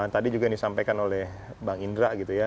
tadi juga yang disampaikan oleh bang indra gitu ya